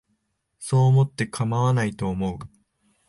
そう思ってかまわないと思う